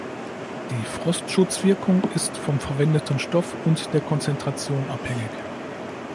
Die Frostschutz-Wirkung ist vom verwendeten Stoff und der Konzentration abhängig.